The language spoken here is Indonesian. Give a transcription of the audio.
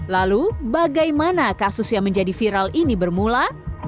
lalu bagaimana kasus yang menjadi viral ini bermula